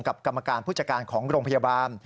กับกรรมการผู้จักรกรองพยาบาล